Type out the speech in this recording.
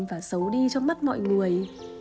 và xấu đi trong mắt mọi người